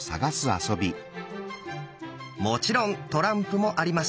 もちろんトランプもあります。